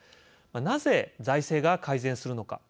なぜ財政が改善するのか。